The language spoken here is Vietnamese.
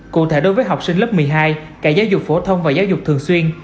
cụ thể đối với học sinh lớp một mươi hai cả giáo dục phổ thông và giáo dục thường xuyên